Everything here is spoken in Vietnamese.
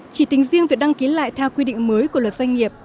chỉ tính riêng việc đăng ký lại theo quy định mới của luật doanh nghiệp